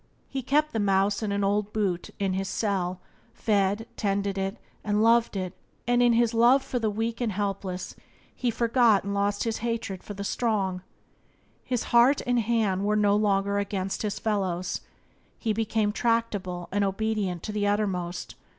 He kept the mouse in an old boot in his cell, fed, tended, and loved it, and in his love for the weak and helpless he forgot and lost his hatred for the strong. His heart and his hand were no longer against his fellows. He became tractable and obedient to the uttermost.